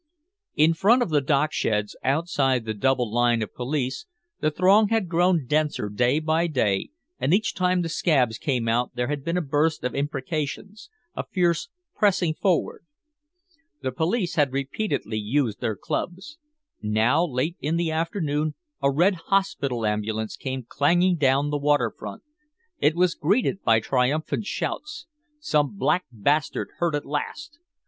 In front of the docksheds, outside the double line of police, the throng had grown denser day by day, and each time the "scabs" came out there had been a burst of imprecations, a fierce pressing forward. The police had repeatedly used their clubs. Now late in the afternoon a red hospital ambulance came clanging down the waterfront. It was greeted by triumphant shouts. "Some black bastard hurt at last!"